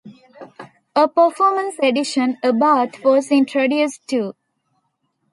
A performance edition "Abarth" was introduced too.